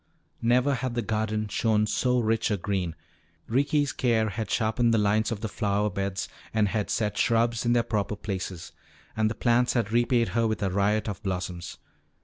Never had the garden shown so rich a green. Ricky's care had sharpened the lines of the flower beds and had set shrubs in their proper places. And the plants had repaid her with a riot of blossoms.